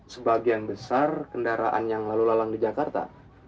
sebagian besar kendaraan yang lalu lalang di jakarta